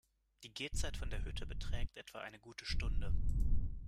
Die Gehzeit von der Hütte beträgt etwa eine gute Stunde.